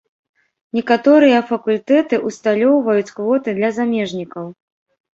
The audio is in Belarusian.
Некаторыя факультэты усталёўваюць квоты для замежнікаў.